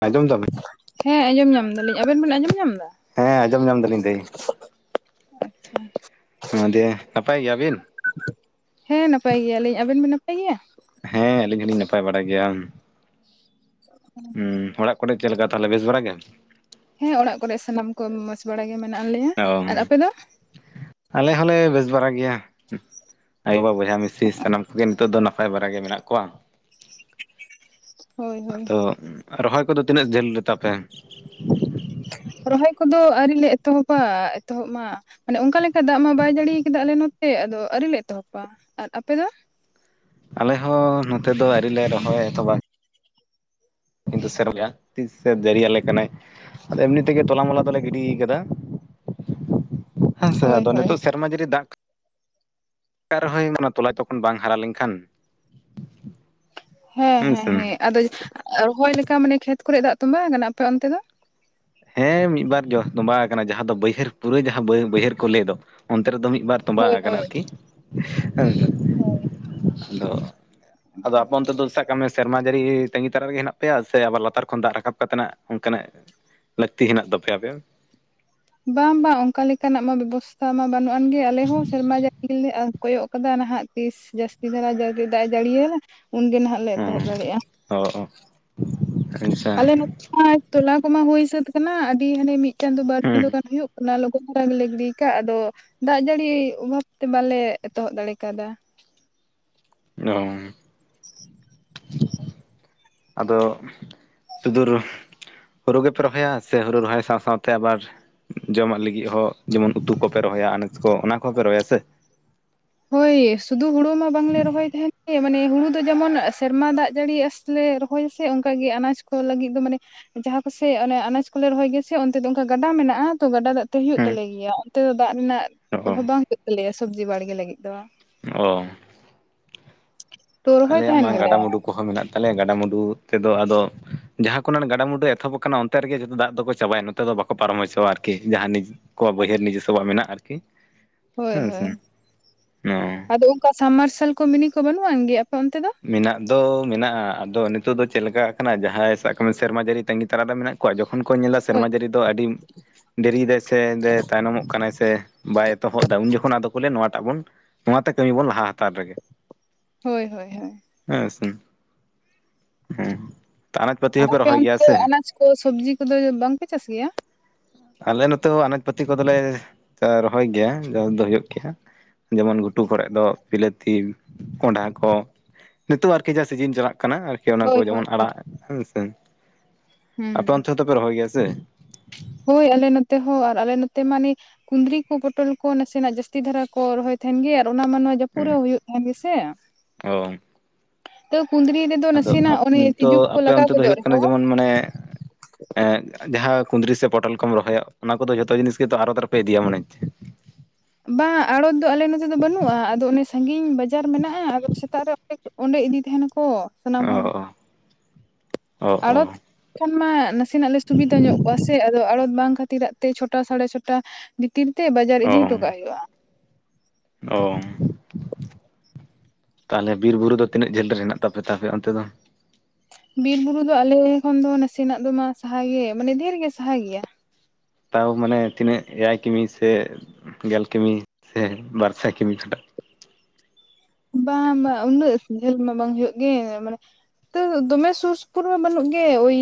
ᱟᱡᱚᱢ ᱫᱟᱵᱮᱱ ᱦᱮᱸ ᱟᱸᱡᱚᱢ ᱧᱟᱢ ᱫᱟᱞᱤᱧ ᱟᱵᱮᱱ ᱵᱮᱱ ᱟᱸᱡᱚᱢ ᱧᱟᱢ ᱮᱫᱟ ᱦᱮᱸ ᱟᱸᱡᱚᱢ ᱧᱟᱢ ᱫᱟᱞᱤᱧ ᱫᱤ ᱾ ᱟᱪᱪᱷᱟ ᱦᱮᱸ ᱫᱤᱭᱮ ᱱᱟᱯᱟᱭ ᱜᱮᱭᱟᱵᱤᱱ ᱦᱮᱸ ᱱᱟᱯᱟᱭ ᱜᱮᱭᱟᱞᱤᱧ ᱟᱵᱮᱱ ᱵᱤᱱ ᱱᱟᱯᱟᱭ ᱜᱮᱭᱟ ᱦᱮᱸ ᱟᱹᱞᱤᱧ ᱦᱚᱸᱞᱤᱧ ᱱᱟᱯᱟᱭ ᱵᱟᱲᱟ ᱜᱮᱭᱟ ᱪ [unintelligible] ᱦᱮᱸ ᱚᱲᱟᱜ ᱠᱚᱨᱮ ᱪᱮᱫ ᱞᱮᱠᱟ ᱛᱟᱦᱞᱮ ᱵᱮᱥ ᱵᱟᱲᱟ ᱜᱮᱭ ᱦᱮᱸ ᱚᱲᱟᱜ ᱠᱚᱨᱮ ᱥᱟᱱᱟᱢ ᱠᱚ ᱢᱚᱸᱡᱽ ᱵᱟᱲᱟ ᱜᱮ ᱢᱮᱱᱟᱜ ᱞᱮᱭᱟ ᱚ ᱟᱨ ᱟᱯᱮ ᱫᱚ ᱟᱞᱮ ᱦᱚᱸᱞᱮ ᱵᱮᱥ ᱵᱟᱲᱟ ᱜᱮᱭᱟ ᱟᱭᱳᱼᱵᱟ ᱵᱚᱭᱦᱟ ᱢᱤᱥᱤ ᱥᱟᱱᱟᱢ ᱠᱚᱜᱮ ᱱᱤᱛᱳᱜ ᱫᱚ ᱱᱟᱯᱟᱭ ᱱᱟᱯᱟᱭ ᱵᱟᱟᱨᱟᱜ ᱜᱮ ᱢᱮᱱᱟᱜ ᱠᱚᱣᱟ ᱦᱳᱭ ᱦᱳᱭ ᱟᱫᱚ ᱨᱚᱦᱚᱭ ᱠᱚᱫᱚ ᱛᱤᱱᱟᱹᱜ ᱡᱷᱟᱹᱞ ᱨᱮᱛᱟ ᱯᱮ ᱨᱚᱦᱚᱭ ᱠᱚᱫᱚ ᱟᱹᱣᱨᱤ ᱞᱮ ᱮᱛᱚᱦᱚᱵᱟ ᱮᱛᱚᱦᱚᱵ ᱢᱟ ᱢᱟᱱᱮ ᱚᱱᱠᱟ ᱞᱮᱠᱟ ᱫᱟᱜ ᱢᱟ ᱵᱟᱭ ᱡᱟᱲᱤᱭᱟ ᱟᱠᱟᱫᱟ ᱟᱞᱮ ᱱᱚᱛᱮ ᱟᱫᱚ ᱟᱹᱣᱨᱤᱞ ᱞᱮ ᱮᱛᱚᱦᱚᱵᱟ ᱟᱨ ᱟᱯᱮ ᱫᱚ ᱟᱞᱮᱦᱚ ᱱᱚᱛᱮ ᱫᱚ ᱟᱣᱨᱤ ᱞᱮ ᱨᱚᱦᱚᱭ ᱮᱛᱚᱦᱚᱵᱟ ᱠᱱᱤᱛᱩ ᱥᱮᱨᱢᱟ ᱛᱤᱥ ᱥᱮ ᱡᱟᱹᱨᱤ ᱟᱞᱮ ᱠᱟᱱᱟᱭ ᱟᱫᱚ ᱮᱢᱱᱤ ᱛᱮᱜᱮ ᱛᱚᱞᱟ ᱢᱚᱞᱟ ᱫᱚᱞᱮ ᱜᱤᱰᱤ ᱟᱠᱟᱫᱟ ᱦᱮᱸᱥᱮ ᱦᱳᱭ ᱟᱫᱚ ᱱᱤᱛ ᱦᱳᱭ ᱥᱮ ᱥᱮᱨᱢᱟ ᱡᱟᱹᱨᱤ ᱫᱟᱜ [unintelligible] [unintelligible] ᱨᱚᱦᱚᱭᱱᱟ ᱱᱚᱣᱟ ᱛᱚᱞᱟ ᱛᱚᱠᱷᱚᱱ ᱵᱟᱝ ᱦᱟᱨᱟ ᱞᱮᱱᱠᱷᱟᱱ ᱦᱮᱸ ᱦᱮᱸ ᱦᱮᱸ ᱟᱫᱚ ᱨᱚᱦᱚᱭ ᱞᱮᱠᱟ ᱢᱟᱱᱮ ᱠᱷᱮᱛ ᱠᱚᱨᱮ ᱫᱟᱜ ᱛᱚᱸᱵᱟ ᱟᱠᱟᱱᱟ ᱟᱯᱮ ᱚᱱᱛᱮ ᱫᱚ ᱦᱮᱸ ᱢᱤᱫ ᱵᱟᱨ ᱛᱚᱸᱵᱟ ᱟᱠᱟᱱᱟ ᱡᱟᱦᱟᱸ ᱫᱚ ᱵᱟᱹᱭᱦᱟᱹᱲ ᱯᱩᱨᱟᱹ ᱡᱟᱦᱟᱸ ᱵᱟᱹᱭᱦᱟᱹᱲ ᱠᱚ ᱞᱟᱹᱭ ᱫᱚ ᱚᱱᱛᱮ ᱨᱮᱫᱚ ᱢᱤᱫ ᱵᱟᱨ ᱛᱚᱸᱵᱟ ᱦᱳᱭ ᱟᱠᱟᱱᱟ ᱦᱳᱭ ᱟᱨᱠᱤ, ᱦᱳᱭ ᱟᱫᱚ ᱟᱫᱚ ᱟᱯᱮ ᱚᱱᱛᱮ ᱫᱚ ᱥᱟᱵ ᱠᱟᱜ ᱢᱮ ᱥᱮᱨᱢᱟ ᱡᱟᱹᱲᱤ ᱛᱟᱸᱜᱤ ᱛᱟᱨᱟᱜ ᱨᱮᱜᱮ ᱦᱮᱱᱟᱜ ᱯᱮᱭᱟ ᱥᱮ ᱟᱵᱟᱨ ᱞᱟᱛᱟᱨ ᱠᱷᱚᱱ ᱫᱟᱜ ᱨᱟᱠᱟᱵ ᱠᱟᱛᱮᱱᱟᱜ ᱚᱱᱠᱟᱱᱟᱜ ᱞᱟᱹᱠᱛᱤ ᱦᱮᱱᱟᱜ ᱛᱟᱯᱮᱭᱟ ᱟᱯᱮᱭᱟᱜ ᱵᱟᱝ ᱵᱟᱝ ᱚᱱᱠᱟ ᱞᱮᱠᱟᱱᱟᱜ ᱢᱟ ᱵᱮᱵᱚᱥᱛᱷᱟ ᱢᱟ ᱵᱟᱹᱱᱩᱜ ᱟᱱᱜᱮ ᱟᱞᱮ ᱦᱚᱸ ᱥᱮᱨᱢᱟ ᱡᱟᱲᱤ ᱜᱮ ᱟᱸᱥ ᱠᱚᱭᱚᱜ ᱠᱟᱫᱟ ᱱᱟᱦᱟᱜ ᱛᱤᱥ ᱡᱟᱹᱥᱛᱤ ᱫᱷᱟᱨᱟ ᱫᱟᱜ ᱡᱟᱹᱲᱤᱭᱟᱭ ᱩᱱᱜᱮ ᱱᱟᱦᱟᱜ ᱞᱮ ᱦᱩᱸ ᱮᱛᱚᱦᱚᱵ ᱫᱟᱲᱮᱭᱟᱜᱼᱟ ᱚ ᱚ ᱟᱪᱪᱷᱟ ᱟᱞᱮ ᱢᱟᱛᱚ ᱛᱚᱞᱟ ᱠᱚᱢᱟ ᱦᱩᱭ ᱥᱟᱹᱛ ᱟᱠᱟᱱᱟ ᱟᱹᱰᱤ ᱦᱟᱱᱮ ᱢᱤᱫ ᱪᱟᱸᱫᱳ ᱵᱟᱨ ᱪᱟᱸᱫᱳ ᱦᱩᱸ ᱜᱟᱱ ᱦᱩᱭᱩᱜ ᱠᱟᱱᱟ ᱠᱷᱩᱵ ᱵᱷᱚᱨᱟ ᱜᱮᱞᱮ ᱜᱤᱰᱤ ᱠᱟᱫ ᱟᱫᱚ ᱫᱟᱜ ᱡᱟᱹᱲᱤ ᱚᱵᱷᱟᱵ ᱛᱮ ᱵᱟᱞᱮ ᱮᱛᱚᱦᱚᱵ ᱫᱟᱲᱮ ᱟᱠᱟᱣᱫᱟ [unintelligible] [unintelligible] ᱟᱫᱚ ᱥᱩᱫᱷᱩ ᱦᱳᱲᱳ ᱜᱮᱯᱮ ᱨᱚᱦᱚᱭᱟ ᱥᱮ ᱦᱩᱲᱩ ᱨᱚᱦᱚᱭ ᱥᱟᱶ ᱥᱟᱶᱛᱮ ᱟᱵᱟᱨ ᱡᱚᱢᱟᱜ ᱞᱟᱹᱜᱤᱫ ᱦᱚᱸ ᱡᱮᱢᱚᱱ ᱩᱛᱩ ᱠᱚᱯᱮ ᱨᱚᱦᱚᱭᱟ ᱟᱱᱟᱡ ᱠᱚ ᱚᱱᱟ ᱠᱚᱦᱚᱸᱯᱮ ᱨᱚᱦᱚᱭᱟ ᱥᱮ ᱦᱳᱭ ᱥᱩᱫᱷᱩ ᱦᱩᱲᱳ ᱢᱟ ᱵᱟᱝᱞᱮ ᱨᱚᱦᱚᱭ ᱛᱟᱦᱮᱱ ᱜᱮ ᱢᱟᱱᱮ ᱦᱩᱲᱩ ᱫᱚ ᱡᱮᱢᱚᱱ ᱥᱮᱨᱢᱟ ᱫᱟᱜ ᱡᱟᱹᱲᱤ ᱟᱸᱥ ᱛᱮᱞᱮ ᱨᱚᱦᱚᱭᱟᱥᱮ ᱚᱱᱠᱟᱜ ᱜᱮ ᱟᱱᱟᱡᱽ ᱠᱚ ᱞᱟᱹᱜᱤᱫ ᱫᱚ ᱢᱟᱱᱮ ᱡᱟᱦᱟᱸ ᱠᱚᱥᱮ ᱚᱱᱮ ᱟᱱᱟᱡ ᱠᱚᱞᱮ ᱨᱚᱦᱚᱭ ᱜᱮᱭᱟᱥᱮ ᱚᱱᱛᱮ ᱫᱚ ᱚᱱᱠᱟ ᱜᱟᱰᱟ ᱢᱮᱱᱟᱜᱼᱟ ᱛᱚ ᱜᱟᱰᱟ ᱫᱟᱜ ᱛᱚ ᱦᱳᱭᱳᱜ ᱦᱮᱸ ᱛᱟᱞᱮ ᱜᱮᱭᱟ ᱚᱱᱛᱮ ᱫᱚ ᱫᱟᱜ ᱨᱮᱱᱟᱜ ᱚ ᱚᱵᱷᱟᱵ ᱵᱟᱝ ᱦᱳᱭᱳᱜ ᱛᱟᱞᱮᱭᱟ ᱥᱚᱵᱽᱡᱤ ᱵᱟᱲᱜᱮ ᱞᱟᱹᱜᱤᱫ ᱫᱚ ᱚ ᱛᱚ ᱨᱚᱦᱚᱭ ᱟᱞᱮᱭᱟᱜ ᱛᱟᱦᱮᱱ ᱢᱟ ᱜᱮᱞᱮ ᱜᱟᱰᱟᱼᱢᱩᱰᱩ ᱠᱚᱦᱚᱸ ᱢᱮᱱᱟᱜ ᱛᱟᱞᱮᱭᱟ ᱜᱟᱰᱟᱼᱢᱩᱰᱩ ᱛᱮᱫᱚ ᱟᱫᱚ ᱡᱟᱦᱟᱸ ᱠᱷᱚᱱᱟᱜ ᱚᱱᱟ ᱜᱟᱰᱟ-ᱢᱩᱰᱩ ᱮᱛᱚᱦᱚᱵ ᱟᱠᱟᱱᱟ ᱚᱱᱛᱮ ᱨᱮᱜᱮ ᱡᱚᱛᱚ ᱫᱟᱜ ᱫᱚᱠᱚ ᱪᱟᱵᱟᱭᱟ ᱱᱚᱛᱮ ᱫᱚ ᱵᱟᱠᱚ ᱯᱟᱨᱚᱢ ᱦᱚᱪᱚᱣᱟ ᱟᱨᱠᱤ ᱡᱟᱦᱟᱸ ᱱᱤᱡ ᱠᱚ ᱵᱟᱹᱭᱦᱟᱹᱲ ᱱᱤᱡᱮᱥᱥᱚᱣᱟᱜ ᱢᱮᱱᱟᱜᱼᱟ ᱟᱨᱠᱤ ᱦᱳᱭ ᱦᱮᱸ ᱥᱮ ᱦᱳᱭ, ᱟᱫᱚ ᱚᱱᱠᱟ ᱥᱟᱢᱢᱟᱨᱥᱟᱞ ᱠᱚ ᱢᱤᱱᱤ ᱠᱚ ᱵᱟᱹᱱᱩᱜ ᱟᱱ ᱜᱮ ᱟᱯᱮ ᱚᱱᱛᱮ ᱫᱚ ᱢᱮᱱᱟᱜ ᱫᱚ ᱢᱮᱱᱟᱜᱼᱟ ᱟᱫᱚ ᱱᱤᱛᱳᱜ ᱫᱚ ᱪᱮᱫ ᱞᱮᱠᱟ ᱠᱟᱱᱟ ᱡᱟᱦᱟᱸᱭ ᱥᱟᱵ ᱠᱟᱜ ᱢᱮ ᱥᱮᱨᱢᱟ ᱡᱟᱹᱲᱤ ᱛᱟᱸᱜᱤ ᱛᱟᱨᱟᱜ ᱨᱮ ᱢᱮᱱᱟᱜ ᱠᱚᱣᱟ ᱡᱚᱠᱷᱚᱱ ᱠᱚ ᱧᱮᱞᱟ ᱦᱳᱭ ᱥᱮᱨᱢᱟ ᱡᱟᱲᱤ ᱫᱚ ᱟᱹᱰᱤ ᱫᱮᱨᱤᱭᱮᱫᱟᱭ ᱥᱮ ᱫᱮ ᱛᱟᱭᱱᱚᱢᱚᱜ ᱠᱟᱱᱟᱭ ᱥᱮ ᱵᱟᱭ ᱮᱛᱚᱦᱚᱵ ᱮᱫᱟ ᱩᱱ ᱡᱚᱠᱷᱚᱱ ᱟᱫᱚ ᱠᱚ ᱱᱚᱣᱟᱴᱟᱜ ᱵᱚᱱ ᱱᱚᱣᱟᱛᱮ ᱠᱟᱹᱢᱤ ᱵᱚᱱ ᱞᱟᱦᱟ ᱦᱟᱛᱟᱲ ᱨᱮᱜᱮ ᱦᱳᱭ ᱦᱳᱭ ᱦᱳᱭ ᱦᱮᱸ ᱥᱮ, ᱦᱩᱸ ᱟᱨ ᱟᱯᱮ ᱚᱱᱛᱮ ᱫᱚ ᱟᱱᱟᱡ ᱠᱚ ᱥᱚᱵᱽᱡᱤ ᱠᱚᱫᱚ ᱵᱟᱝᱯᱮ ᱪᱟᱥ ᱜᱮᱭᱟ ᱟᱞᱮ ᱱᱚᱛᱮ ᱦᱚ ᱟᱱᱟᱡ ᱯᱟᱹᱛᱤ ᱠᱚᱫᱚᱞᱮ ᱨᱚᱦᱚᱭ ᱜᱮᱭᱟ ᱡᱚᱢ ᱫᱚ ᱦᱩᱭᱩᱜ ᱜᱮᱭᱟ ᱡᱮᱢᱚᱱ ᱜᱷᱩᱴᱩ ᱠᱚᱨᱮᱫ ᱫᱚ ᱵᱤᱞᱟᱹᱛᱤ ᱠᱚᱸᱰᱷᱟ ᱠᱚ ᱱᱤᱛᱚᱜ ᱟᱨᱠᱤ ᱡᱟᱦᱟᱸ ᱥᱤᱡᱤᱱ ᱪᱟᱞᱟᱜ ᱠᱟᱱᱟ ᱟᱨᱠᱤ ᱚᱱᱟ ᱠᱚ ᱦᱳᱭ ᱦᱳᱭ ᱡᱮᱢᱚᱱ ᱦᱳᱭ ᱟᱲᱟᱜ ᱦᱮᱸᱥᱮ ᱟᱯᱮ ᱦᱩᱸ ᱚᱱᱛᱮ ᱫᱚᱯᱮ ᱨᱚᱦᱚᱭ ᱜᱮᱭᱟ ᱥᱮ ᱦᱳᱭ ᱟᱞᱮ ᱱᱚᱛᱮ ᱦᱚᱸ ᱟᱨ ᱟᱞᱮ ᱱᱚᱛᱮ ᱢᱟᱱᱮ ᱠᱩᱫᱽᱨᱤ ᱠᱚ ᱯᱚᱴᱚᱞ ᱠᱚ ᱱᱟᱥᱮᱱᱟᱜ ᱡᱟᱹᱥᱛᱤ ᱫᱷᱟᱨᱟ ᱠᱚ ᱨᱚᱦᱚᱭ ᱛᱟᱦᱮᱱ ᱜᱮᱭᱟ ᱟᱨ ᱚᱱᱟ ᱢᱟ‌ ᱱᱚ- ᱡᱟᱹᱯᱩᱫ ᱨᱮ ᱦᱚᱸ ᱦᱩᱭᱩᱜ ᱠᱟᱱ ᱜᱮᱥᱮ ᱚ ᱛᱚ ᱠᱩᱸᱫᱽᱨᱤ ᱨᱮᱫᱚ ᱟᱫᱚ ᱱᱟᱥᱮᱱᱟᱜ ᱚᱱᱮ ᱛᱚ ᱛᱤᱡᱩ ᱠᱚᱠᱚ ᱟᱯᱮ ᱞᱟᱜᱟᱣ ᱚᱱᱛᱮ ᱫᱚ ᱜᱚᱫᱚᱜ ᱦᱩᱭᱩᱜ ᱠᱟᱱᱟ ᱨᱮᱦᱚᱸ ᱡᱮᱢᱚᱱ ᱢᱟᱱᱮ ᱡᱟᱦᱟᱸ ᱠᱩᱫᱽᱨᱤ ᱥᱮ ᱯᱚᱴᱚᱞ ᱠᱚᱢ ᱨᱚᱦᱚᱭᱟ ᱚᱱᱟ ᱠᱚᱫᱚ ᱡᱷᱚᱛᱚ ᱡᱤᱱᱤᱥ ᱜᱮᱛᱚ ᱟᱨᱚᱛ ᱨᱮᱯᱮ ᱤᱫᱤᱭᱟ ᱢᱚᱱᱮ ᱦᱚᱪᱪᱷᱮ ᱵᱟᱝ ᱟᱲᱚᱛ ᱫᱚ ᱟᱞᱮ ᱱᱚᱛᱮ ᱫᱚ ᱵᱟᱹᱱᱩᱜᱼᱟ ᱟᱫᱚ ᱚᱱᱮ ᱥᱟᱺᱜᱤᱧ ᱵᱟᱡᱟᱨ ᱢᱮᱱᱟᱜᱼᱟ ᱟᱫᱚ ᱥᱮᱛᱟᱜ ᱨᱮ ᱚᱸᱰᱮ ᱤᱫᱤ ᱛᱟᱦᱮᱱᱟᱠᱚ ᱥᱟᱱᱟᱢ ᱦᱚᱲ- ᱚ ᱚ ᱚ ᱟᱲᱚᱛ ᱠᱷᱚᱱ ᱢᱟ ᱱᱟᱥᱮᱱᱟᱜ ᱞᱮ ᱥᱩᱵᱤᱫᱟ ᱧᱚᱜ ᱠᱚᱜᱼᱟ ᱥᱮ ᱟᱫᱚ ᱟᱲᱚᱛ ᱵᱟᱝ ᱠᱷᱟᱹᱛᱤᱨᱟᱜ- ᱛᱮ ᱪᱷᱚᱴᱟ ᱥᱟᱲᱮ ᱪᱷᱚᱴᱟ ᱵᱷᱤᱛᱤᱨ ᱛᱮ ᱵᱟᱡᱟᱨ ᱚ ᱤᱫᱤ ᱦᱚᱴᱚ ᱠᱟᱜ ᱦᱩᱭᱩᱜᱼᱟ᱾ ᱚ [inaudible] ᱛᱟᱦᱚᱞᱮ ᱵᱤᱨ ᱵᱩᱨᱩ ᱫᱚ ᱛᱤᱱᱟᱹᱜ ᱡᱷᱟᱹᱞ ᱨᱮ ᱦᱮᱱᱟᱜ ᱛᱟᱯᱮ ᱟᱯᱮᱭᱟᱜ ᱚᱱᱛᱮ ᱫᱚ? ᱵᱤᱨ ᱵᱩᱨᱩ ᱫᱚ ᱟᱞᱮ ᱠᱷᱚᱱ ᱫᱚ ᱱᱟᱥᱮᱱᱟᱜ ᱫᱚ ᱢᱟ ᱥᱟᱦᱟᱜᱮ ᱢᱟᱱᱮ ᱰᱷᱮᱨ ᱜᱮ ᱥᱟᱦᱟ ‌ᱜᱮᱭᱟ᱾ ᱛᱟᱣ ᱢᱟᱱᱮ ᱛᱤᱱᱟᱹᱜ ᱮᱭᱟᱭ ᱠᱤᱢᱤ ᱥᱮ ᱜᱮᱞ ᱠᱤᱢᱤ ᱥᱮ ᱵᱟᱨ ᱥᱟᱭ ᱠᱤᱢᱤ ᱠᱷᱚᱴᱟᱜ? ᱵᱟᱝ ᱵᱟᱝ ᱩᱱᱟᱹᱜ ᱡᱷᱟᱹᱞ ᱢᱟ ᱵᱟᱝ ᱦᱩᱭᱩᱜ ᱜᱮ ᱢᱟᱱᱮ ᱛᱟᱹᱣ ᱫᱚᱢᱮ ᱥᱩᱨ ᱥᱩᱯᱩᱨ ᱢᱟ ᱵᱟᱹᱱᱩᱜ ᱜᱮ ᱳᱭ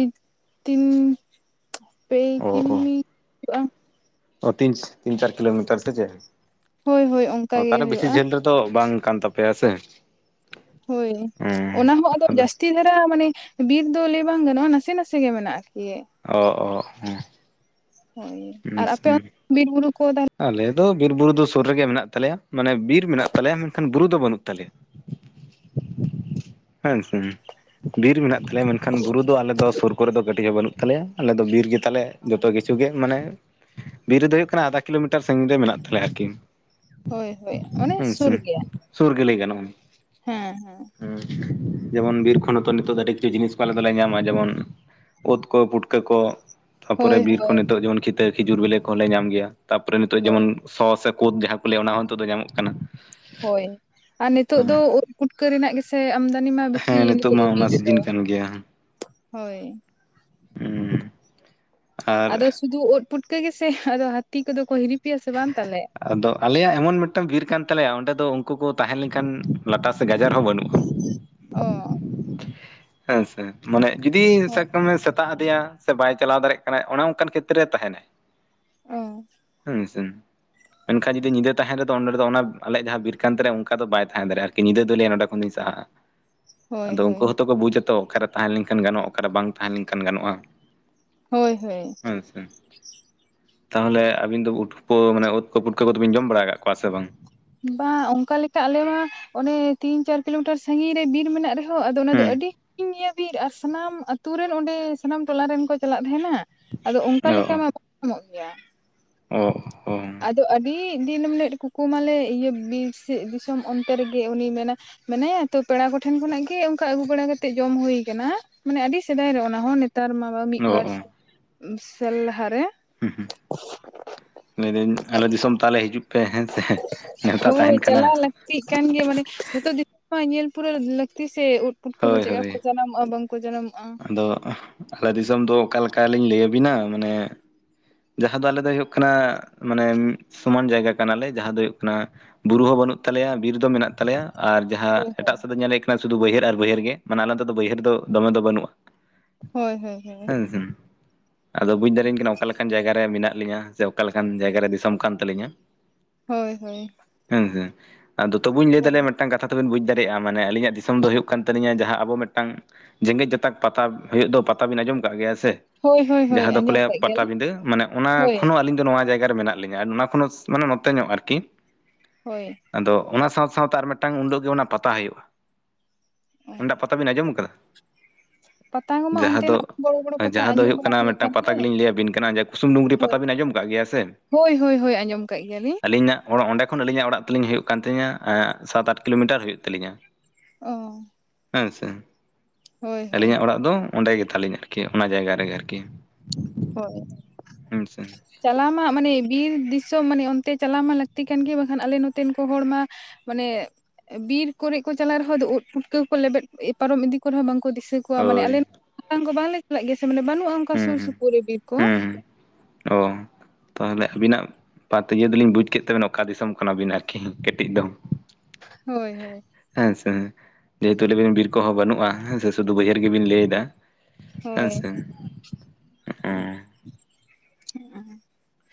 ᱛᱤᱱ ᱾ ᱯᱮ ᱚ ᱚ ᱠᱤᱢᱤ [unintelligible] ᱠᱚᱜᱼᱟ ᱚ ᱛᱤᱱ ᱛᱤᱱ ᱪᱟᱨ ᱠᱤᱞᱳᱢᱤᱴᱟᱨ ᱥᱮ ᱪᱮᱫ ᱦᱳᱭ ᱦᱳᱭ ᱚᱱᱠᱟ ᱜᱮ ᱛᱟᱦᱞᱮ ᱵᱮᱥᱤ ᱦᱩᱭᱩᱜᱼᱟ ᱡᱷᱟᱹᱞ ᱫᱚ ᱛᱚ ᱵᱟᱝ ᱠᱟᱱ ᱛᱟᱯᱮᱭᱟ ᱥᱮ ᱾ ᱦᱳᱭ ᱚᱱᱟ ᱦᱚᱸ ᱟᱫᱚ ᱡᱟᱹᱥ ᱛᱤ ᱫᱷᱟᱨᱟ ᱢᱟᱱᱮ ᱵᱤᱨ ᱫᱚ ᱞᱮ ᱵᱟᱝ ᱜᱟᱱᱚᱜᱼᱟ, ᱱᱟᱥᱮ ᱱᱟᱥᱮ ᱜᱮ ᱢᱮᱱᱟᱜᱼᱟ ᱟᱨᱠᱤ ᱾ ᱚ ᱚ ᱦᱮᱸ ᱾ ᱦᱳᱭ, ᱟᱨ ᱟᱯᱮ [unintelligible] ᱵᱤᱨ ᱵᱩᱨᱩ ᱠᱚ ᱛᱟ ᱟᱞᱮ ᱫᱚ ᱵᱤᱨ ᱵᱩᱨᱩ ᱫᱚ ᱥᱩᱨ ᱨᱮᱜᱮ ᱢᱮᱱᱟᱜ ᱛᱟᱞᱮᱭᱟ ᱢᱟᱱᱮ ᱵᱤᱨ ᱢᱮᱱᱟᱜ ᱛᱟᱞᱮᱭᱟ ᱢᱮᱱᱠᱷᱟᱱ ᱵᱩᱨᱩ ᱫᱚ ᱵᱟᱹᱱᱩᱜ ᱛᱟᱞᱮᱭᱟ ᱾ ᱦᱮᱸᱥᱮ ᱵᱤᱨ ᱢᱮᱱᱟᱜ ᱛᱟᱞᱮᱭᱟ ᱢᱮᱱᱠᱷᱟᱱ ᱵᱩᱨᱩ ᱫᱚ ᱟᱞᱮ ᱫᱚ ᱥᱳᱨ ᱠᱚᱨᱮ ᱫᱚ ᱠᱟᱹᱴᱤᱡ ᱦᱚᱸ ᱵᱟᱹᱱᱩᱜ ᱛᱟᱞᱮᱭᱟ ᱟᱞᱮ ᱫᱚ ᱵᱤᱨ ᱜᱮ ᱛᱟᱞᱮ ᱡᱚᱛᱚ ᱠᱤᱪᱷᱩ ᱜᱮ ᱢᱟᱱᱮ ᱾ ᱵᱤᱨ ᱨᱮᱫᱚ ᱦᱩᱭᱩᱜ ᱠᱟᱱᱟ ᱟᱫᱷᱟ ᱠᱤᱞᱳᱢᱤᱴᱟᱨ ᱥᱟᱹᱜᱤᱧ ᱨᱮ ᱢᱮᱱᱟᱜ ᱛᱟᱞᱮᱭᱟ ᱟᱨᱠᱤ ᱾ ᱦᱳᱭ ᱦᱳᱭ ᱚᱱᱮ ᱥᱩᱨ ᱜᱮᱭᱟ ᱾ ᱥᱩᱨ ᱜᱮ ᱞᱮᱭ ᱜᱟᱱᱚᱜᱼᱟ ᱾ ᱦᱮᱸ ᱦᱮᱸ ᱾ ᱡᱮᱢᱚᱱ ᱵᱤᱨ ᱠᱷᱚᱱ ᱦᱚᱛᱚ ᱱᱤᱛᱚᱜ ᱫᱚ ᱟᱹᱰᱤ ᱠᱤᱪᱷᱩ ᱡᱤᱱᱤᱥ ᱟᱞᱮ ᱫᱚᱞᱮ ᱧᱟᱢᱟ, ᱡᱮᱢᱚᱱ ᱳᱛ ᱠᱚ ᱯᱩᱴᱠᱟᱹ ᱠᱚ ᱾ ᱛᱟᱯᱚᱨᱮ ᱦᱳᱭ ᱵᱤᱨ ᱦᱳᱭ ᱠᱚᱱ ᱱᱤᱛᱚᱜ ᱡᱮᱢᱚᱱ ᱠᱤᱛᱟᱹ ᱠᱷᱤᱡᱩᱨ ᱵᱮᱞᱮ ᱠᱚᱦᱚᱸᱞᱮ ᱧᱟᱢ ᱜᱮᱭᱟ ᱛᱟᱯᱨᱮ ᱱᱤᱛᱚᱜ ᱦᱳᱭ ᱡᱮᱢᱚᱱ ᱥᱚ ᱥᱮ ᱠᱳᱫ ᱡᱟᱦᱟᱸ ᱠᱚ ᱞᱟᱹᱭᱟ ᱚᱱᱟ ᱦᱚᱸ ᱱᱤᱛᱚᱜ ᱫᱚ ᱧᱟᱢᱚᱜ ᱠᱟᱱᱟ ᱾ ᱦᱳᱭ, ᱟᱨ ᱱᱤᱛᱚᱜ ᱫᱚ ᱳ ᱯᱩᱴᱠᱟᱹ ᱨᱮᱱᱟᱜ ᱜᱮᱥᱮ ᱟᱢᱫᱟᱱᱤ ᱢᱟ ᱵᱮᱥᱤ ᱦᱮᱸ ᱱᱤᱛᱚᱜ ᱫᱚ ᱢᱟ ᱵᱤᱨ ᱚᱱᱟ ᱨᱮᱫᱚ, ᱥᱤᱡᱤᱱ ᱠᱟᱱ ᱜᱮᱭᱟ ᱦᱳᱭ ᱾ ᱦᱩᱸ ᱟᱨ ᱟᱫᱚ ᱥᱩᱫᱩ ᱳᱫ ᱯᱩᱴᱠᱟᱹ ᱜᱮᱥᱮ ᱟᱫᱚ ᱦᱟᱹᱛᱤ ᱠᱚᱫᱚ ᱠᱚ ᱦᱤᱨᱤᱯᱮᱭᱟ ᱥᱮ ᱵᱟᱝ ᱛᱟᱞᱮ? ᱟᱫᱚ ᱟᱞᱮᱭᱟᱜ ᱮᱢᱚᱱ ᱢᱤᱫᱴᱟᱝ ᱵᱤᱨ ᱠᱟᱱ ᱛᱟᱞᱮᱭᱟ ᱚᱸᱰᱮ ᱫᱚ ᱩᱱᱠᱩ ᱠᱚ ᱛᱟᱦᱮᱸ ᱞᱮᱱᱠᱷᱟᱱ ᱞᱟᱴᱟ ᱥᱮ ᱜᱟᱡᱟᱲ ᱦᱚᱸ ᱵᱟᱹᱱᱩᱜᱼᱟ ᱾ ᱚ ᱾ ᱦᱮᱸ ᱥᱮ ᱢᱟᱱᱮ ᱡᱩᱫᱤ ᱥᱟᱵ ᱦᱳᱭ ᱠᱟᱜ ᱢᱮ ᱥᱮ ᱥᱮᱛᱟᱜ ᱟᱫᱮᱭᱟ ᱥᱮ ᱵᱟᱭ ᱪᱟᱞᱟᱣ ᱫᱟᱲᱮᱜ ᱠᱟᱱᱟᱭ ᱚᱱᱮ ᱚᱱᱠᱟᱱ ᱠᱷᱮᱛᱨᱮ ᱨᱮ ᱛᱟᱦᱮᱱᱟᱭ ᱾ ᱚ ᱦᱩᱸ ᱥᱮ ᱾ ᱢᱮᱱᱠᱷᱟᱱ ᱡᱩᱫᱤ ᱧᱤᱫᱟᱹ ᱛᱟᱦᱮᱱ ᱨᱮᱫᱚ ᱚᱸᱰᱮ ᱫᱚ ᱚᱱᱟ ᱟᱞᱮᱭᱟᱜ ᱡᱟᱦᱟᱸ ᱵᱤᱨ ᱠᱟᱱ ᱛᱟᱞᱮ ᱚᱱᱠᱟ ᱫᱚ ᱵᱟᱭ ᱛᱟᱦᱮᱸ ᱫᱟᱲᱭᱟᱜᱼᱟ ᱟᱨᱠᱤ ᱧᱤᱫᱟᱹ ᱫᱚ ᱞᱮᱭᱟ ᱱᱚᱰᱮ ᱠᱷᱚᱱᱫᱚᱧ ᱥᱟᱦᱟᱜᱼᱟ ᱾ [inaudible] ᱦᱳᱭ ᱟᱫᱚ ᱩᱱᱠᱩ ᱦᱳᱭ ᱦᱚᱸᱛᱚ ᱠᱚ ᱵᱩᱡᱽ ᱟᱛᱚ ᱚᱠᱟᱨᱮ ᱛᱟᱦᱮᱸ ᱞᱮᱱᱠᱷᱟᱱ ᱜᱟᱱᱚᱜᱼᱟ ᱚᱠᱟᱨᱮ ᱵᱟᱝ ᱛᱟᱦᱮᱸ ᱞᱮᱱᱠᱷᱟᱱ ᱜᱟᱱᱚᱜᱼᱟ ᱾ ᱦᱳᱭ ᱦᱳᱭ ᱾ ᱦᱮᱸ ᱥᱮ ᱛᱟᱦᱚᱞᱮ ᱟᱹᱵᱤᱱ ᱫᱚ ᱩ [unintelligible] ᱢᱟᱱᱮ ᱩᱫ ᱠᱚ ᱯᱩᱴᱠᱟᱹ ᱠᱚᱫᱚ ᱵᱤᱱ ᱡᱚᱢ ᱵᱟᱲᱟ ᱠᱟᱫ ᱠᱚᱣᱟ ᱥᱮ ᱵᱟᱝ? ᱵᱟᱝ ᱚᱱᱠᱟ ᱞᱮᱠᱟ ᱟᱞᱮᱢᱟ ᱚᱱᱮ ᱛᱤᱱ ᱪᱟᱨ ᱠᱤᱞᱳᱢᱤᱴᱟᱨ ᱥᱟᱜᱤᱧ ᱨᱮ ᱵᱤᱨ ᱢᱮᱱᱟᱜ ᱨᱮᱦᱚᱸ ᱟᱫᱚ ᱚᱱᱟ ᱫᱚ ᱦᱮᱸ ᱟᱹᱰᱤ [unintelligible] ᱵᱤᱨ ᱟᱨ ᱥᱟᱱᱟᱢ ᱟᱛᱩ ᱨᱮᱱ ᱚᱸᱰᱮ ᱥᱟᱱᱟᱢ ᱴᱚᱞᱟ ᱨᱮᱱ ᱠᱚ ᱪᱟᱞᱟᱜ ᱛᱟᱦᱮᱱᱟ ᱾ ᱟᱫᱚ ᱚᱱᱠᱟ ᱚ ᱞᱮᱠᱟ ᱚ ᱢᱟ ᱵᱟᱠᱚ ᱧᱟᱢᱚᱜ ᱜᱮᱭᱟ ᱾ ᱚ ᱦᱚ ᱾ ᱟᱫᱚ ᱟᱹᱰᱤ ᱫᱤᱱᱢ ᱠᱩᱠᱩᱢᱟᱞᱮ ᱤᱭᱟᱹ ᱵᱤᱨ ᱫᱤᱥᱚᱢ ᱚᱱᱛᱮ ᱨᱮᱜᱮ ᱩᱱᱤᱭ ᱢᱮᱱᱟ ᱢᱮᱱᱟᱭᱟ ᱛᱚ ᱯᱮᱲᱟ ᱠᱚᱴᱷᱮᱱ ᱠᱷᱚᱱᱟᱜ ᱜᱮ ᱚᱱᱠᱟ ᱟᱹᱜᱩ ᱵᱟᱲᱟ ᱠᱟᱛᱮᱜ ᱡᱚᱢ ᱦᱩᱭ ᱠᱟᱱᱟ ᱾ ᱢᱟᱱᱮ ᱟᱹᱰᱤ ᱥᱮᱫᱟᱭ ᱨᱮ ᱚᱱᱟ ᱦᱚᱸ ᱱᱮᱛᱟᱨ ᱢᱟ ᱢᱤᱫ ᱚ ᱵᱟᱨ ᱚ ᱥᱮᱞ ᱞᱟᱦᱟᱨᱮ ᱾ ᱦᱩᱸ ᱦᱩᱸ ᱞᱟᱹᱭᱫᱟᱹᱧ ᱟᱞᱮ ᱫᱤᱥᱚᱢ ᱛᱟᱦᱚᱞᱮ ᱦᱤᱡᱩᱜ ᱯᱮ ᱦᱮᱸ ᱥᱮ ᱱᱮᱣᱛᱟ ᱦᱳᱸᱭ ᱛᱟᱦᱮᱱ ᱠᱟᱱᱟ ᱪᱟᱞᱟᱜ ᱟᱞᱮ ᱾ ᱪᱮᱫ ᱠᱟᱱ ᱜᱮ ᱢᱟᱱᱮ ᱡᱚᱛᱚ [unintelligible] ᱧᱮᱞ ᱯᱩᱨᱟᱹ ᱞᱟᱹᱠᱛᱤ ᱥᱮ ᱩᱫ ᱯᱩᱴᱠᱟᱹ ᱠᱚ ᱦᱳᱭ ᱪᱮᱫᱠᱟ ᱦᱳᱭ ᱠᱚ ᱡᱟᱱᱟᱢᱚᱜᱼᱟ ᱵᱟᱝᱠᱚ ᱡᱟᱱᱟᱢᱚᱜᱼᱟ ᱾ ᱟᱫᱚ ᱟᱞᱮ ᱫᱤᱥᱚᱢ ᱫᱚ ᱚᱠᱟᱮᱠᱟ ᱞᱤᱧ ᱞᱟᱹᱭᱟᱵᱤᱱᱟ ᱢᱟᱱᱮ ᱡᱟᱦᱟᱸ ᱫᱚ ᱟᱞᱮ ᱫᱚ ᱦᱩᱭᱩᱜ ᱠᱟᱱᱟ ᱢᱟᱱᱮ ᱥᱚᱢᱟᱱ ᱡᱟᱭᱜᱟ ᱠᱟᱱᱟᱞᱮ ᱡᱟᱦᱟᱸ ᱫᱚ ᱦᱩᱭᱩᱜ ᱠᱟᱱᱟ ᱵᱩᱨᱩ ᱦᱚᱸ ᱵᱟᱹᱱᱩᱜ ᱛᱟᱞᱮᱭᱟ ᱵᱤᱨ ᱫᱚ ᱢᱮᱱᱟᱜ ᱛᱟᱞᱮᱭᱟ ᱟᱨ ᱡᱟᱦᱟᱸ ᱦᱳᱭ ᱮᱴᱟᱜ ᱥᱮᱫᱛᱮ ᱧᱮᱞᱮᱫ ᱟᱨ ᱟᱨ ᱡᱟᱸᱦᱟ ᱮᱴᱟᱜ ᱥᱮᱫ ᱫᱚ ᱧᱮᱞ ᱦᱩᱭ ᱟᱠᱟᱱᱟ ᱥᱩᱫᱷᱩ ᱵᱟᱹᱭᱦᱟᱹᱲ ᱟᱨ ᱵᱟᱹᱭᱦᱟᱹᱲ ᱜᱮ ᱢᱟᱱᱮ ᱟᱞᱮ ᱚᱱᱛᱮ ᱫᱚ ᱵᱟᱹᱭᱦᱟᱹᱲ ᱫᱚ ᱫᱚᱢᱮ ᱫᱚ ᱵᱟᱹᱱᱩᱜᱼᱟ ᱦᱳᱭ ᱦᱳᱭ ᱦᱳᱭ ᱦᱮᱸ ᱥᱮ ᱟᱫᱚ ᱵᱩᱡᱽ ᱫᱟᱲᱮᱧ ᱠᱟᱱᱟᱢ ᱚᱠᱟ ᱞᱮᱠᱟᱱ ᱡᱟᱭᱜᱟ ᱨᱮ ᱢᱮᱱᱟᱜ ᱞᱤᱧᱟ ᱥᱮ ᱚᱠᱟ ᱞᱮᱠᱟᱱ ᱡᱟᱭᱜᱟ ᱨᱮ ᱫᱤᱥᱚᱢ ᱠᱟᱱ ᱛᱟᱹᱞᱤᱧᱟ ᱦᱳᱭ ᱦᱳᱭ ᱦᱮᱸ ᱦᱮᱸ ᱟᱫᱚ ᱛᱚᱵᱩᱧ ᱞᱟᱹᱭ ᱫᱟᱲᱮᱭᱟᱜ ᱟ ᱢᱤᱫᱴᱟᱝ ᱠᱟᱛᱷᱟ ᱛᱚ ᱵᱤᱱ ᱵᱩᱡᱽ ᱫᱟᱲᱮᱭᱟᱜ ᱟ ᱢᱟᱱᱮ ᱟᱹᱞᱤᱧᱟᱜ ᱫᱤᱥᱚᱢ ᱫᱚ ᱦᱩᱭᱩᱜ ᱠᱟᱱ ᱛᱟᱹᱞᱤᱧᱟ ᱡᱟᱦᱟᱸ ᱟᱵᱚ ᱢᱤᱫᱴᱟᱝ ᱡᱮᱜᱮᱛ ᱡᱟᱛᱟᱠ ᱯᱟᱛᱟ ᱦᱩᱭᱩᱜ ᱫᱚ ᱯᱟᱛᱟᱵᱤᱱ ᱟᱸᱡᱚᱢ ᱠᱟᱜ ᱜᱮᱭᱟ ᱥᱮ ᱦᱳᱭ ᱦᱳᱭ ᱦᱳᱭ ᱡᱟᱦᱟᱸ ᱫᱚᱠᱚ ᱟᱸᱡᱚᱢ ᱞᱟᱹᱭᱟ ᱠᱟᱜ ᱜᱮᱭᱟᱞᱤᱧ ᱯᱟᱴᱟᱵᱤᱸᱫᱟᱹ ᱢᱟᱱᱮ ᱚᱱᱟ ᱦᱳᱭ ᱠᱷᱚᱱ ᱦᱚᱸ ᱟᱹᱞᱤᱧ ᱫᱚ ᱱᱚᱣᱟ ᱡᱟᱭᱜᱟ ᱨᱮ ᱢᱮᱱᱟᱜ ᱞᱤᱧᱱᱟ ᱞᱤᱧᱟ ᱟᱨ ᱚᱱᱟ ᱠᱷᱚᱱ ᱦᱚᱸ ᱢᱟᱱᱮ ᱱᱚᱛᱮ ᱧᱚᱜ ᱟᱨ ᱠᱤ ᱦᱳᱭ ᱟᱫᱚ ᱚᱱᱟ ᱥᱟᱶ ᱥᱟᱶᱛᱮ ᱟᱨ ᱢᱤᱫᱴᱟᱝ ᱩᱰᱟᱹᱜ ᱜᱮ ᱚᱱᱟ ᱯᱟᱛᱟ ᱦᱩᱭᱩᱜᱼᱟ ᱚᱱᱟ ᱴᱟᱜ ᱯᱟᱛᱟᱵᱤᱱ ᱟᱸᱡᱚᱢ ᱟᱠᱟᱫᱟ ᱯᱟᱛᱟ ᱠᱚᱢᱟ ᱡᱟᱦᱟᱸ ᱫᱚ ᱚᱱᱛᱮᱱᱟᱜ ᱵᱚᱲᱚ ᱵᱚᱲᱚ ᱯᱟᱛᱟ ᱡᱟᱦᱟᱸ ᱫᱚ ᱟᱸᱡᱚᱢ ᱦᱩᱭᱩᱜ ᱵᱟᱲᱟ ᱠᱟᱱᱟ ᱦᱩᱭ ᱢᱤᱫᱴᱟᱝ ᱟᱠᱟᱱ ᱯᱟᱛᱟ ᱜᱮ ᱜᱮᱞᱤᱧ ᱞᱟᱹᱭᱟ ᱵᱤᱱ ᱠᱟᱱᱟ ᱠᱩᱥᱩᱢ ᱰᱩᱝᱨᱤ ᱦᱳᱭ ᱯᱟᱛᱟ ᱵᱤᱱ ᱟᱸᱡᱚᱢ ᱠᱟᱜ ᱜᱮᱭᱟ ᱥᱮ ᱦᱳᱭ ᱦᱳᱭ ᱦᱳᱭ ᱟᱸᱡᱚᱢ ᱠᱟᱜ ᱜᱮᱭᱟᱞᱤᱧ ᱟᱹᱞᱤᱧᱟᱜ ᱚᱱ ᱚᱸᱰᱮ ᱠᱷᱚᱱ ᱟᱹᱞᱤᱧᱟᱜ ᱚᱲᱟᱜ ᱛᱟᱞᱤᱧ ᱦᱩᱭᱩᱜ ᱠᱟᱱ ᱛᱤᱧᱟ ᱥᱟᱛ ᱟᱴ ᱠᱤᱞᱳᱢᱤᱴᱟᱨ ᱦᱩᱭᱩᱜ ᱛᱟᱹᱞᱤᱧᱟ ᱚ ᱦᱮᱸ ᱥᱮ ᱦᱳᱭ ᱦᱳᱭ ᱟᱹᱞᱤᱧᱟᱜ ᱚᱲᱟᱜ ᱫᱚ ᱚᱸᱰᱮ ᱜᱮ ᱛᱟᱞᱤᱧ ᱟᱨᱠᱤ ᱚᱱᱟ ᱡᱟᱭᱜᱟ ᱨᱮᱜᱮ ᱟᱨᱠᱤ ᱦᱳᱭ ᱦᱮᱸ ᱥᱮ ᱪᱟᱞᱟᱣ ᱢᱟ ᱢᱟᱱᱮ ᱵᱤᱨ ᱫᱤᱥᱚᱢ ᱢᱟᱱᱮ ᱚᱱᱛᱮ ᱪᱟᱞᱟᱣ ᱢᱟ ᱞᱟᱹᱠᱛᱤ ᱠᱟᱱ ᱜᱮ ᱵᱟᱠᱷᱟᱱ ᱟᱞᱮ ᱱᱚᱛᱮᱱ ᱠᱚ ᱦᱚᱲ ᱢᱟ ᱢᱟᱱᱮ ᱵᱤᱨ ᱠᱚᱨᱮ ᱠᱚ ᱪᱟᱞᱟᱜ ᱨᱮᱦᱚᱸ ᱟᱫᱚ ᱩᱫ ᱯᱩᱴᱠᱟᱹ ᱠᱚ ᱞᱮᱵᱮᱫ ᱯᱟᱨᱚᱢ ᱤᱫᱤ ᱠᱚ ᱨᱮᱦᱚᱸ ᱵᱟᱝᱠᱚ ᱫᱤᱥᱟᱹ ᱠᱚ ᱢᱟᱱᱮ ᱦᱳᱭ ᱟᱞᱮᱛᱟᱝ ᱠᱚ ᱵᱟᱝᱞᱮ ᱪᱟᱞᱟᱜ ᱜᱮᱭᱟ ᱥᱮ ᱢᱟᱱᱮ ᱵᱟᱹᱱᱩᱜᱼᱟ ᱚᱱᱠᱟ ᱦᱩᱸ ᱥᱩᱨ ᱦᱩᱸ ᱥᱩᱯᱩᱨ ᱨᱮ ᱵᱤᱨ ᱠᱚ ᱦᱩᱸ ᱚ ᱛᱟᱦᱞᱮ ᱟᱹᱵᱤᱱᱟᱜ ᱵᱟᱛᱤᱭᱟᱹ ᱫᱚᱞᱤᱧ ᱵᱩᱡᱽ ᱠᱮᱫ ᱛᱟᱵᱤᱱᱟ ᱚᱠᱟ ᱫᱤᱥᱚᱢ ᱠᱟᱱᱟᱵᱤᱱ ᱟᱨᱠᱤ ᱠᱟᱹᱴᱤᱡ ᱫᱚ ᱦᱳᱭ ᱦᱳᱭ ᱦᱮᱸᱥᱮ ᱡᱮᱦᱮᱛᱩ ᱟᱵᱮᱱ ᱵᱤᱨ ᱠᱚᱦᱚᱸ ᱵᱟᱹᱱᱩᱜᱼᱟ ᱦᱮᱸ ᱥᱮ ᱥᱤᱫᱷᱩ ᱵᱟᱹᱭᱦᱟᱹᱨ ᱜᱮᱵᱤᱱ ᱞᱟᱹᱭ ᱮᱫᱟ ᱦᱮᱸ ᱦᱳᱭ ᱥᱮ ᱚᱸ ᱦᱮᱸ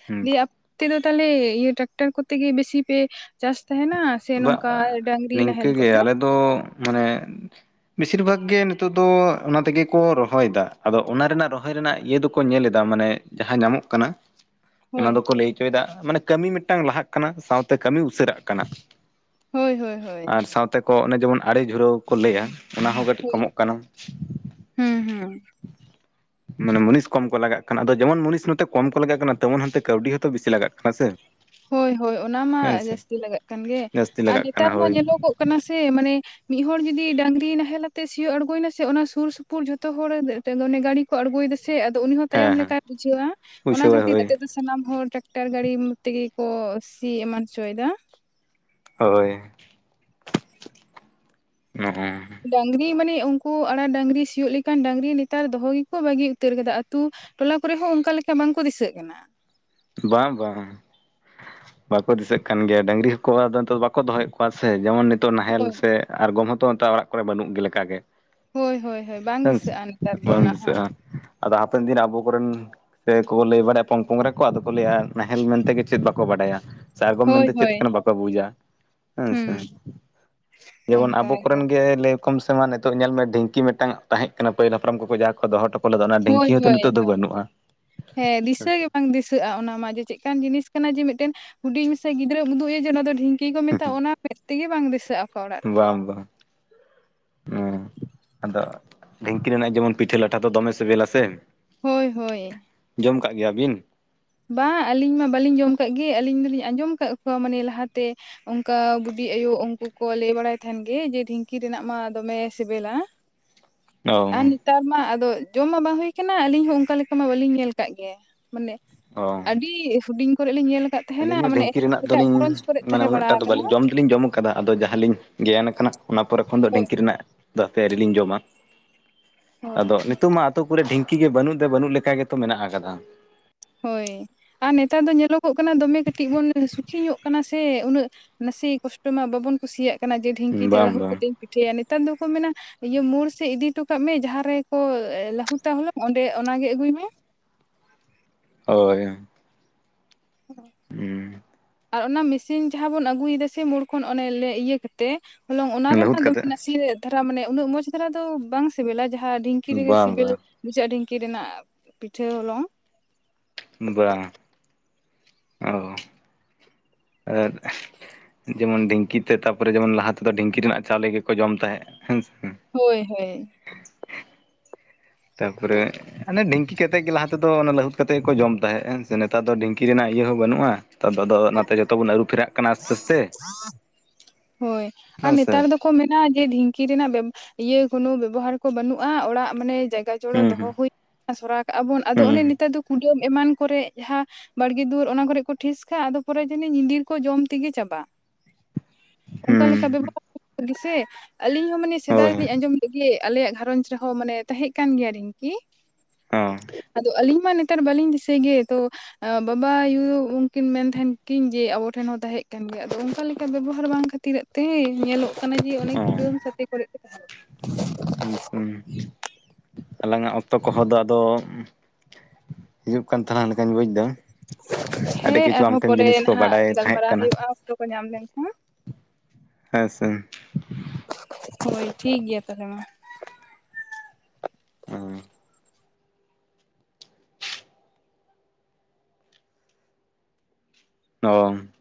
ᱦᱮᱸ ᱟᱯ ᱛᱮᱫᱚ ᱛᱟᱦᱚᱞᱮ ᱤᱭᱟᱹ ᱴᱨᱟᱠᱴᱟᱨ ᱠᱚᱛᱮ ᱜᱮ ᱵᱮᱥᱤ ᱯᱮ ᱪᱟᱥ ᱛᱟᱦᱮᱱᱟ ᱥᱮ ᱵᱟ ᱱᱚᱝᱠᱟ ᱰᱟᱝᱨᱤ ᱱᱟᱦᱮᱞ ᱱᱤᱝᱠᱟᱹᱜᱮ ᱠᱚᱛᱮ ᱟᱞᱮ ᱫᱚ ᱢᱟᱱᱮ ᱵᱮᱥᱤᱨ ᱵᱷᱟᱜ ᱜᱮ ᱱᱤᱛᱚᱜ ᱫᱚ ᱚᱱᱟ ᱛᱮᱜᱮ ᱠᱚ ᱨᱚᱦᱚᱭ ᱮᱫᱟ ᱟᱫᱚ ᱚᱱᱟ ᱨᱮᱱᱟᱜ ᱨᱚᱦᱚᱭ ᱨᱚᱦᱚᱭ ᱨᱮᱱᱟᱜ ᱤᱭᱟᱹ ᱫᱚᱠᱚ ᱧᱮᱞ ᱮᱫᱟ, ᱢᱟᱱᱮ ᱡᱟᱦᱟᱸ ᱧᱟᱢᱚᱜ ᱠᱟᱱᱟ ᱦᱳᱭ ᱚᱱᱟ ᱫᱚᱠᱚ ᱞᱟᱹᱭ ᱦᱚᱪᱚᱭ ᱮᱫᱟ ᱢᱟᱱᱮ ᱠᱟᱹᱢᱤ ᱢᱤᱫᱴᱟᱝ ᱞᱟᱦᱟᱜ ᱠᱟᱱᱟ ᱥᱟᱶᱛᱮ ᱠᱟᱹᱢᱤ ᱩᱥᱟᱹᱨᱟᱜ ᱠᱟᱱᱟ᱾ ᱦᱳᱭ ᱦᱳᱭ, ᱦᱳᱭ ᱟᱨ ᱥᱟᱶᱛᱮ ᱠᱚ ᱚᱱᱮ ᱡᱮᱢᱚᱱ ᱟᱲᱮ ᱡᱷᱩᱱᱟᱹᱣ ᱠᱚ ᱞᱟᱹᱭᱟ, ᱚᱱᱟ ᱦᱚᱸ ᱠᱟᱹᱴᱤᱡ ᱦᱳᱭ ᱠᱚᱢᱚᱜ ᱠᱟᱱᱟ᱾ ᱦᱩᱸ ᱦᱩᱸ ᱢᱟᱱᱮ ᱢᱩᱱᱤᱥ ᱠᱚᱢ ᱠᱚ ᱞᱟᱜᱟᱜ ᱠᱟᱱᱟ ᱟᱫᱚ ᱡᱮᱢᱚᱱ ᱢᱩᱱᱤᱥ ᱱᱚᱛᱮ ᱠᱚᱢ ᱠᱚ ᱞᱟᱜᱟᱜ ᱠᱟᱱᱟ ᱛᱮᱢᱚᱱ ᱚᱱᱛᱮ ᱠᱟᱹᱣᱰᱤ ᱦᱚᱸᱛᱚ ᱵᱤᱥᱤ ᱞᱟᱜᱟᱜ ᱠᱟᱱᱟ ᱥᱮ᱾ ᱦᱳᱭ ᱦᱳᱭ ᱚᱱᱟ ᱦᱮᱸ ᱢᱟ ᱥᱮ ᱡᱟᱹᱥᱛᱤ ᱞᱟᱜᱟᱜ ᱠᱟᱱ ᱜᱮ ᱡᱟᱹᱥᱛᱤ ᱟᱨ ᱞᱟᱜᱟᱜ ᱱᱮᱛᱟᱨ ᱠᱟᱱᱟ ᱢᱟ ᱦᱳᱭ ᱧᱮᱞᱚᱜᱚᱜ ᱠᱟᱱᱟ ᱥᱮ ᱢᱟᱱᱮ ᱢᱤᱫ ᱦᱚᱲ ᱡᱩᱫᱤ ᱰᱟᱝᱨᱤ ᱱᱟᱦᱮᱞ ᱟᱛᱮ ᱥᱤᱭᱳᱜ ᱮ ᱟᱬᱜᱳ ᱱᱟᱥᱮ ᱚᱱᱟ ᱥᱩᱨ ᱥᱩᱯᱩᱨ ᱡᱚᱛᱚ ᱦᱚᱲᱮ ᱜᱟᱹᱰᱤ ᱠᱚ ᱟᱬᱜᱚᱭᱮᱫᱟ ᱥᱮ ᱟᱫᱚ ᱩᱱᱤ ᱦᱚᱸ ᱦᱮᱸ ᱛᱟᱭᱚᱢ ᱦᱮᱸ ᱞᱮᱠᱟᱭ ᱵᱩᱡᱷᱟᱹᱣᱟ ᱚᱱᱟ ᱵᱩᱡᱷᱟᱹᱣᱟᱭ ᱠᱷᱟᱹᱛᱤᱨ ᱦᱳᱭ [inaudible] ᱥᱟᱱᱟᱢ ᱦᱚᱲ ᱴᱨᱟᱠᱴᱚᱨ ᱜᱟᱹᱰᱤ ᱛᱮᱜᱮ ᱠᱚ ᱥᱤ ᱮᱢᱟᱱ ᱦᱚᱪᱚᱭ ᱮᱫᱟ᱾ ᱦᱳᱭ, ᱱᱚᱜᱼᱚ ᱰᱟᱝᱨᱤ ᱢᱟᱱᱮ ᱩᱱᱠᱩ ᱟᱲᱟ ᱰᱟᱝᱨᱤ ᱥᱤᱭᱳᱜ ᱞᱮᱠᱷᱟᱱ ᱰᱟᱝᱨᱤ ᱱᱮᱛᱟᱨ ᱫᱚᱦᱚ ᱜᱮᱠᱚ ᱵᱟᱹᱜᱤ ᱩᱛᱟᱹᱨ ᱟᱠᱟᱫᱟ᱾ ᱟᱛᱳ ᱴᱚᱞᱟ ᱠᱚᱨᱮ ᱦᱚᱸ ᱚᱱᱠᱟ ᱞᱮᱠᱟ ᱵᱟᱝᱠᱚ ᱫᱤᱥᱟᱹᱜ ᱠᱟᱱᱟ, ᱵᱟᱝ -ᱵᱟᱝ, ᱵᱟᱠᱚ ᱫᱤᱥᱟᱹᱜ ᱠᱟᱱ ᱜᱮᱭᱟ ᱰᱟᱹᱝᱨᱤ ᱦᱚᱸᱠᱚ ᱟᱫᱚ ᱵᱟᱠᱚ ᱫᱚᱦᱚᱭᱮᱫ ᱠᱚᱣᱟ ᱥᱮ ᱡᱮᱢᱚᱱ ᱱᱤᱛ ᱛᱚ ᱱᱟᱦᱮᱞ ᱦᱳᱭ ᱥᱮ ᱟᱸᱬᱜᱚᱢ ᱦᱚᱛᱚ ᱱᱮᱛᱟᱜ ᱚᱲᱟᱜ ᱠᱚᱨᱮ ᱵᱟᱹᱱᱩᱜ ᱜᱮ ᱞᱮᱠᱟᱜ ᱜᱮ᱾ ᱦᱳᱭ ᱦᱳᱭ ᱦᱳᱭ ᱵᱟᱝ ᱦᱮᱸ ᱥᱮ ᱫᱤᱥᱟᱹᱜᱼᱟ ᱱᱮᱛᱟᱨ ᱫᱚ ᱵᱟᱝ ᱚᱱᱟ ᱦᱚᱸ ᱫᱤᱥᱟᱹᱜ-ᱟ ᱟᱫᱚ ᱦᱟᱯᱮᱱ ᱫᱤᱱ ᱟᱵᱚ ᱠᱚᱨᱮᱱ ᱥᱮ ᱠᱚ ᱞᱟᱹᱭ ᱵᱟᱲᱟᱭᱟ ᱯᱳᱝ ᱯᱳᱝ ᱨᱮ ᱟᱫᱚᱠᱚ ᱞᱟᱹᱭᱟ ᱱᱟᱦᱮᱞ ᱢᱮᱱᱛᱮ ᱜᱮ ᱪᱮᱫ ᱵᱟᱠᱚ ᱵᱟᱰᱟᱭᱟ ᱥᱮ ᱟᱸᱬᱜᱚᱢ ᱦᱳᱭ ᱢᱮᱱᱛᱮ ᱪᱮᱫ ᱦᱳᱭ ᱠᱟᱱᱟ ᱵᱟᱠᱚ ᱵᱩᱡᱟ ᱦᱮᱸ ᱥᱮ᱾ ᱦᱩᱸ ᱡᱮᱢᱚᱱ ᱟᱵᱚ ᱠᱚᱨᱮᱱ ᱜᱮ ᱞᱮ ᱠᱚᱢ ᱥᱮᱢᱟ ᱱᱤᱛᱚᱜ ᱧᱮᱞ ᱢᱮ ᱰᱷᱤᱝᱠᱤ ᱢᱤᱜᱴᱟᱝ ᱛᱟᱦᱮᱸ ᱠᱟᱱᱟ ᱯᱟᱹᱦᱤᱞ ᱦᱟᱯᱲᱟᱢ ᱠᱚ ᱠᱚ ᱡᱟᱦᱟᱸ ᱠᱚ ᱫᱚᱦᱚ ᱦᱚᱴᱚ ᱠᱚ ᱞᱮᱫᱟ ᱚᱱᱟ ᱦᱳᱭ ᱰᱷᱤᱝᱠᱤ ᱦᱚᱸᱛᱚ ᱦᱳᱭ ᱱᱤᱛᱚᱜ ᱫᱚ ᱵᱟᱹᱱᱩᱜᱼᱟ᱾ ᱦᱮᱸ ᱫᱤᱥᱟᱹ ᱜᱮ ᱵᱟᱝ ᱫᱤᱥᱟᱹᱜᱼᱟ ᱚᱱᱟ ᱢᱟ ᱡᱮ ᱪᱮᱜᱠᱟᱱ ᱡᱤᱱᱤᱥ ᱠᱟᱱᱟ ᱡᱮ ᱢᱤᱫᱴᱮᱱ ᱦᱩᱰᱤᱧ ᱢᱮᱥᱮ ᱜᱤᱫᱽᱨᱟᱹᱢ ᱩᱫᱩᱜ ᱟᱭᱟ ᱡᱮ ᱚᱱᱟ ᱫᱚ ᱰᱷᱤᱝᱠᱤ ᱠᱤ ᱠᱚ ᱢᱮᱛᱟᱜ-ᱟ ᱚᱱᱟ ᱢᱮᱫᱽ ᱛᱮᱜᱮ ᱵᱟᱝ ᱫᱤᱥᱟᱹᱜᱼᱟ᱾ ᱚᱠᱟ ᱚᱲᱟᱜ ᱨᱮᱦᱚᱸ ᱵᱟᱝ- ᱵᱟᱝ, ᱚ ᱟᱫᱚ ᱰᱷᱤᱝᱠᱤ ᱨᱮᱱᱟᱜ ᱡᱮᱢᱚᱱ ᱯᱤᱴᱷᱟᱹᱼ ᱞᱟᱴᱷᱟ ᱫᱚ ᱫᱚᱢᱮ ᱥᱤᱵᱤᱞᱟ ᱥᱮ ᱦᱳᱭ -ᱦᱳᱭ, ᱟᱸᱡᱚᱢ ᱠᱟᱜ ᱜᱮᱭᱟ ᱵᱤᱱ? ᱵᱟᱝ ᱟᱹᱞᱤᱧ ᱢᱟ ᱵᱟᱹᱞᱤᱧ ᱡᱚᱢ ᱠᱟᱜ ᱜᱮ ᱟᱹᱞᱤᱧ ᱫᱚᱞᱤᱧ ᱟᱸᱡᱚᱢ ᱟᱠᱟᱜ ᱠᱚᱣᱟ ᱢᱟᱱᱮ ᱞᱟᱦᱟᱛᱮ ᱚᱱᱠᱟ ᱵᱩᱰᱤ ᱟᱭᱳ ᱩᱱᱠᱩ ᱠᱚ ᱞᱟᱹᱭ ᱵᱟᱲᱟᱭ ᱛᱟᱦᱮᱱ ᱜᱤ ᱡᱮ ᱰᱷᱤᱝᱠᱤ ᱨᱮᱱᱟᱜ ᱢᱟ ᱫᱚᱢᱮ ᱥᱮᱵᱮᱞᱟ᱾ [unintelligible] ᱟᱨ ᱱᱮᱛᱟᱨ ᱢᱟ ᱟᱫᱚ ᱡᱚᱢ-ᱟ ᱵᱟᱝ ᱦᱩᱭ ᱟᱠᱟᱱᱟ ᱟᱞᱤᱧ ᱦᱚᱸ ᱚᱱᱠᱟ ᱞᱮᱠᱟ ᱢᱟ ᱵᱟᱹᱞᱤᱧ ᱧᱮᱞ ᱠᱟᱜ ᱜᱮ ᱢᱟᱱᱮ ᱚ ᱟᱹᱰᱤ ᱦᱩᱴᱤᱝ ᱠᱚᱨᱮᱜ ᱞᱤᱧ ᱧᱮᱞ ᱠᱟᱫ ᱟᱹᱞᱤᱧ ᱦᱚᱸ ᱰᱷᱤᱮᱝᱠᱤ ᱨᱮᱱᱟᱜ ᱫᱚᱞᱤᱧ ᱢᱟᱱᱮ ᱵᱟᱲᱟ ᱩᱱᱟᱹᱜᱴᱟ ᱫᱚ ᱟᱠᱟᱱᱟ ᱵᱟᱹᱞᱤᱧ ᱡᱚᱢ ᱡᱚᱢ ᱠᱟᱫᱟ ᱟᱫᱚ ᱡᱟᱦᱟ ᱞᱤᱧ ᱜᱮᱭᱟᱱ ᱠᱟᱱᱟ ᱚᱱᱟ ᱯᱚᱨᱮ ᱠᱷᱚᱱ ᱫᱚ ᱦᱳᱭ ᱰᱷᱮᱝᱠᱤ ᱨᱮᱱᱟᱜ ᱫᱛ ᱦᱟᱯᱮ ᱟᱹᱣᱨᱤ ᱞᱤᱧ ᱡᱚᱢᱟ, ᱦᱳᱭ ᱟᱫᱚ ᱱᱤᱛᱳᱜ ᱢᱟ ᱟᱛᱳ ᱠᱚᱨᱮ ᱰᱷᱤᱝᱠᱤ ᱜᱮ ᱵᱟᱹᱱᱩᱜ ᱫᱚ ᱵᱟᱹᱱᱩᱜ ᱞᱮᱠᱟ ᱜᱮᱛᱚ ᱢᱮᱱᱟᱜ ᱠᱟᱫᱟ ᱦᱳᱭ ᱟᱨ ᱱᱮᱛᱟᱨ ᱫᱚ ᱧᱮᱞᱚᱜ-ᱚᱜ ᱠᱟᱱᱟ ᱫᱚᱢᱮ ᱠᱟᱹᱴᱤᱡ ᱵᱚᱱ ᱥᱩᱠᱷᱤ ᱧᱚᱜ ᱠᱟᱱᱟ ᱥᱮ ᱩᱱᱟᱹᱜ ᱱᱟᱥᱮ ᱠᱚᱥᱴᱚ ᱢᱟ ᱵᱟᱵᱚᱱ ᱠᱩᱥᱤᱭᱟᱜ ᱠᱟᱱᱟ ᱡᱮ ᱰᱷᱤᱝᱠᱤ ᱛᱮ ᱵᱟᱝ ᱞᱟᱹᱦᱩᱫ ᱵᱟᱝ ᱠᱟᱛᱮᱫ ᱤᱧ ᱯᱤᱴᱷᱟᱹᱭᱟ᱾ ᱱᱮᱛᱟᱨ ᱫᱚᱠᱚ ᱢᱮᱱᱟ ᱤᱭᱟᱹ ᱢᱳᱲ ᱥᱮᱜ ᱤᱫᱤ ᱴᱚ ᱠᱟᱜ ᱢᱮ ᱡᱟᱦᱟᱸ ᱨᱮᱠᱚ ᱞᱟᱹᱦᱩᱫ-ᱟ ᱦᱚᱞᱚᱝ ᱚᱸᱰᱮ ᱚᱱᱟᱜᱮ ᱟᱹᱜᱩᱭ ᱢᱮ᱾ ᱦᱳᱭ ᱦᱩᱸ ᱦᱩᱸ ᱟᱨ ᱚᱱᱟ ᱢᱮᱥᱤᱱ ᱡᱟᱦᱟ ᱵᱚᱱ ᱟᱹᱜᱩᱭ ᱫᱟ ᱥᱮ ᱢᱳᱲ ᱠᱷᱚᱱ ᱞᱮ ᱤᱭᱟᱹ ᱠᱟᱛᱮ ᱦᱚᱞᱚᱝ ᱚᱱᱟ ᱨᱮᱢᱟ ᱞᱟᱹᱦᱩᱫ ᱫᱚᱢᱮ ᱠᱟᱛᱮᱫ ᱱᱟᱥᱤ ᱟᱜ ᱫᱷᱟᱨᱟ ᱢᱟᱱᱮ ᱩᱱᱟᱹᱜ ᱢᱚᱸᱡᱽ ᱫᱷᱟᱨᱟ ᱫᱚ ᱵᱟᱝ ᱥᱤᱵᱤᱞᱟ, ᱡᱟᱦᱟᱸ ᱰᱷᱤᱝᱠᱤ ᱨᱮᱜᱮ ᱵᱟᱝ ᱥᱤᱵᱤᱞ ᱵᱟᱝ ᱵᱩᱡᱷᱟᱹᱜᱼᱟ ᱰᱷᱤᱝᱠᱤ ᱨᱮᱱᱟᱜ ᱯᱤᱴᱷᱟᱹ ᱦᱚᱞᱚᱝ ᱵᱟᱝ ᱚ ᱟᱨ ᱡᱮᱢᱚᱱ ᱰᱷᱤᱝᱠᱤ ᱛᱮ ᱛᱟᱯᱚᱨᱮ ᱡᱮᱢᱚᱱ ᱞᱟᱦᱟ ᱛᱮᱫᱚ ᱰᱷᱤᱝᱠᱤ ᱨᱮᱱᱟᱜ ᱪᱟᱣᱞᱮ ᱜᱮᱠᱚ ᱡᱚᱢ ᱛᱟᱦᱮᱸᱫ ᱦᱮᱸᱥᱮ ᱦᱳᱭ ᱦᱳᱭ᱾ ᱛᱟᱯᱚᱨᱮ ᱦᱟᱱᱮ ᱰᱷᱤᱝᱤ ᱠᱟᱛᱮᱜ ᱜᱮ ᱞᱟᱦᱟᱛᱮᱫᱚ ᱞᱟᱹᱦᱩᱫ ᱠᱟᱛᱮ ᱜᱮ ᱠᱚ ᱡᱚᱢ ᱛᱟᱦᱮᱸᱫ ᱦᱮ ᱥᱮ ᱱᱮᱛᱟᱨ ᱫᱚ ᱰᱷᱤᱝᱠᱤ ᱨᱮᱱᱟᱜ ᱤᱭᱟᱹ ᱦᱚᱸ ᱵᱟᱹᱱᱩᱜᱼᱟ ᱾ ᱱᱮᱛᱟᱨ ᱫᱚ ᱟᱫᱚ ᱱᱟᱛᱮ ᱡᱚᱛᱚ ᱵᱚᱱ ᱟᱹᱨᱩ ᱯᱷᱮᱨᱟᱜ ᱠᱟᱱᱟ ᱟᱥᱛᱮ ᱟᱥᱛᱮ ᱦᱳᱭ ᱟᱨ ᱦᱮᱸ ᱥᱮ ᱱᱮᱛᱟᱨ ᱫᱚ ᱠᱚ ᱢᱮᱱᱟ ᱡᱮ ᱰᱷᱤᱝᱠᱤ ᱨᱮᱱᱟᱜ ᱵᱮᱵᱚ ᱤᱭᱟᱹ ᱠᱚᱱᱳ ᱵᱮᱵᱚᱦᱟᱨ ᱠᱚ ᱵᱟᱹᱱᱩᱜᱼᱟ, ᱚᱲᱟᱜ ᱢᱟᱱᱮ ᱡᱟᱭᱜᱟ ᱜᱚᱲᱚ ᱦᱩᱸ ᱫᱚᱦᱚ ᱦᱩᱸ ᱦᱩᱭ [inaudible] ᱥᱚᱨᱟ ᱠᱟᱜᱼᱟ ᱵᱚᱱ, ᱟᱫᱚ ᱚᱱᱮ ᱦᱩᱸ ᱱᱮᱛᱟᱨ ᱫᱚ ᱠᱩᱰᱟᱹᱢ ᱮᱢᱟᱱ ᱠᱚᱨᱮ ᱡᱟᱦᱟᱸ ᱵᱟᱲᱜᱮ ᱫᱩᱣᱟᱹᱨ ᱚᱱᱟ ᱠᱚᱨᱮ ᱠᱚ ᱴᱷᱤᱥ ᱠᱟᱜ-ᱟ ᱟᱫᱚ ᱯᱚᱨᱮ ᱡᱟᱱᱤᱡ ᱧᱤᱫᱤᱨ ᱠᱚ ᱡᱚᱢ ᱛᱤᱜᱤ ᱪᱟᱵᱟᱜ ᱾ ᱚᱝᱠᱟ ᱞᱮᱠᱟ ᱦᱩᱸ ᱵᱮᱵᱚᱦᱟᱨ ᱤᱫᱤᱭᱟ ᱟᱹᱞᱤᱧ ᱦᱚᱸ ᱢᱟᱱᱮ ᱥᱮᱫᱟᱭ ᱦᱳᱭ ᱞᱤᱧ ᱟᱸᱡᱚᱢ ᱞᱮᱜ ᱜᱤ ᱟᱞᱮᱭᱟᱜ ᱜᱷᱟᱨᱚᱸᱡᱽ ᱨᱮᱦᱚᱸ ᱢᱟᱱᱮ ᱛᱟᱦᱮᱸᱜ ᱠᱟᱱ ᱜᱮᱭᱟ ᱰᱷᱤᱝᱠᱤ ᱟᱫᱚ ᱟᱹᱞᱤᱧ ᱢᱟ ᱱᱮᱛᱟᱨ ᱵᱟᱹᱞᱤᱧ ᱫᱤᱥᱟᱹᱭ ᱜᱤ ᱛᱚ ᱾ ᱵᱟᱵᱟ ᱟᱭᱩ ᱩᱱᱠᱤᱱ ᱢᱮᱱ ᱛᱟᱦᱮᱱ ᱠᱤᱱ ᱡᱮ ᱟᱵᱚ ᱴᱷᱮᱱ ᱦᱚᱸ ᱛᱟᱦᱮᱸᱜ ᱠᱟᱱ ᱜᱮ ᱟᱫᱚ ᱚᱝᱠᱟ ᱞᱮᱠᱟ ᱵᱮᱵᱚᱦᱟᱨ ᱵᱟᱝ ᱠᱷᱟᱹᱛᱤᱨᱟᱜ ᱛᱮ ᱧᱮᱞᱚᱜ ᱠᱟᱱᱟ ᱡᱮ ᱚᱱᱮ ᱠᱩᱰᱟᱹᱢ ᱦᱚᱸ ᱥᱟᱛᱮ ᱠᱚᱨᱮ ᱜᱮ ᱛᱟᱦᱮᱱ ᱠᱟᱱᱟ ᱾‌ ᱦ [unintelligible] ᱟᱞᱟᱝ ᱟᱜ ᱚᱠᱛᱚ ᱠᱚᱦᱚᱸ ᱫᱚ ᱟᱫᱚ ᱦᱤᱡᱩᱜ ᱠᱟᱱ ᱛᱟᱦᱟᱞᱟᱝ ᱞᱮᱠᱟᱧ ᱵᱩᱡᱽ ᱫᱟ ᱠᱟᱱᱟ ᱾ ᱟᱹᱰᱤ ᱦᱮᱸ ᱠᱤᱪᱷᱩ ᱟᱢ ᱟᱨᱦᱚᱸ ᱴᱷᱮᱱ ᱯᱚᱨᱮ ᱡᱤᱱᱤᱥ ᱠᱚ ᱱᱟᱦᱟᱜ ᱵᱟᱰᱟᱭ ᱛᱟᱦᱮᱸᱜ ᱜᱟᱞᱢᱟᱨᱟᱣ ᱠᱟᱱᱟ ᱦᱩᱭᱩᱜᱼᱟ ᱚᱠᱛᱚ ᱠᱚ ᱧᱟᱢ ᱞᱮᱱᱠᱷᱟᱱᱼ ᱦᱮᱸ ᱥᱮ ᱾ ᱦᱳᱭ, ᱴᱷᱤᱠ ᱜᱮᱭᱟ ᱛᱟᱦᱚᱞᱮ ᱢᱟ ᱾ ᱟᱺ ᱚᱸ᱾